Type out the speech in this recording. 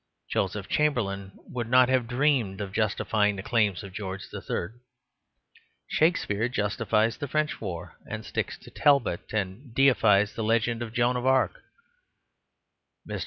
Joseph Chamberlain would not have dreamed of justifying the claims of George III. Nay, Shakespeare justifies the French War, and sticks to Talbot and defies the legend of Joan of Arc. Mr.